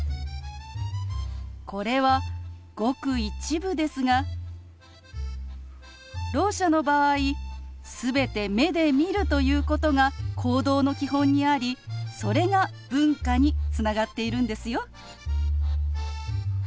これはごく一部ですがろう者の場合全て目で見るということが行動の基本にありそれが文化につながっているんですよ。